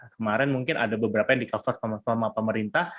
kemarin mungkin ada beberapa yang di cover sama pemerintah